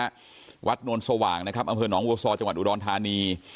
ความจริงหน่อยที่นี่ฮะวัดนวลสว่างนะครับอำเภอหนองโวซอจังหวัดอุดรธานี